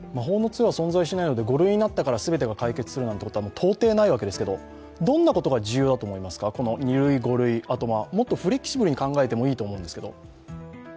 ５類になったら全てが解決するということは到底ないわけですけど、どんなことが重要だと思いますか、２類、５類、もっとフレキシブルに考えてもいいと思うんですけれども。